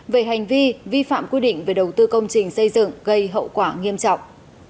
về hành vi vi phạm quy định về đầu tư công trình xây dựng gây hậu quả nghiêm trọng